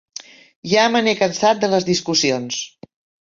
Ja me n'he cansat de les discussions.